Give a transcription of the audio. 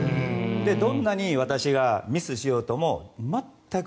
どんなに私がミスをしようとも全く。